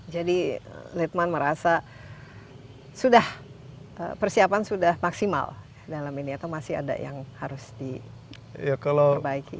jadi lietman merasa sudah persiapan sudah maksimal dalam ini atau masih ada yang harus diperbaiki